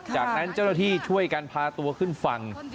จากนั้นเจ้าหน้าที่ช่วยกันพาตัวขึ้นฝั่ง